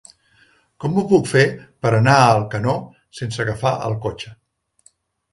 Com ho puc fer per anar a Alcanó sense agafar el cotxe?